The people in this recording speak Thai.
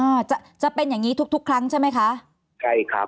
อ่าจะเป็นอย่างนี้ทุกครั้งใช่ไหมคะ